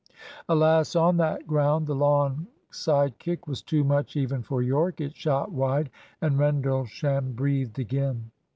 Alas! on that ground the long side kick was too much even for Yorke. It shot wide, and Rendlesham breathed again.